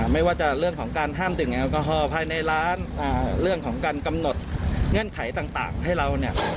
ไม่ว่าจะเรื่องของการห้ามดื่มแอลกอฮอลภายในร้านเรื่องของการกำหนดเงื่อนไขต่างให้เราเนี่ย